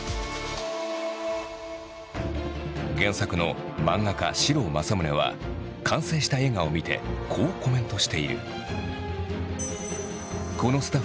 原作の漫画家士郎正宗は完成した映画を見てこうコメントしている。